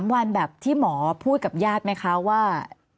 ๓วันแบบที่หมอพูดกับญาติไหมคะว่า